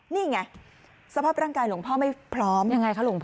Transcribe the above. นี่ไงสภาพร่างกายหลวงพ่อไม่พร้อมยังไงคะหลวงพ่อ